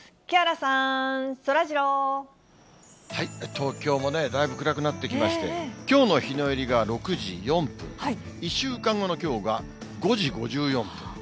東京もだいぶ暗くなってきまして、きょうの日の入りが６時４分、１週間後のきょうが５時５４分。